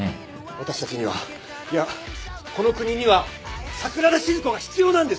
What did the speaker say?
私たちにはいやこの国には桜田しず子が必要なんです！